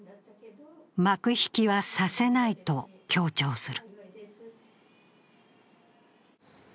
幕引きはさせないと強調する。